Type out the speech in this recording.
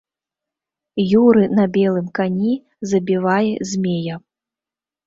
Юры на белым кані забівае змея.